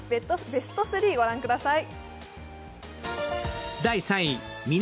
ベスト３を御覧ください。